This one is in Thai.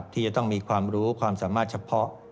ที่จะต้องมีความรู้ความสามารถเฉพาะ